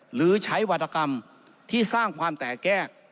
หรือใช้วัตกรรมที่สร้างความแตกแยก